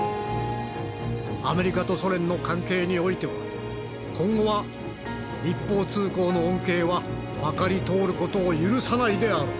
アメリカとソ連の関係においては今後は一方通行の恩恵はまかり通る事を許さないであろう」。